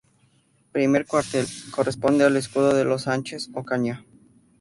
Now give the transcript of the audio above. Primer cuartel, corresponde al escudo de los Sánchez-Ocaña.